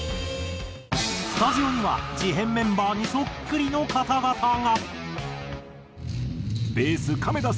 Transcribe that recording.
スタジオには事変メンバーにそっくりの方々が。